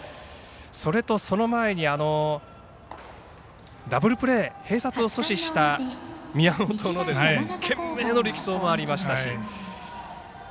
それと、その前にダブルプレー併殺を阻止した宮本の懸命の力走もありましたし。